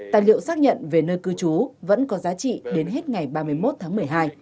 tài liệu xác nhận về nơi cư trú vẫn có giá trị đến hết ngày ba mươi một tháng một mươi hai